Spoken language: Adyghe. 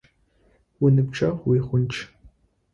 Уиныбджэгъу уигъундж.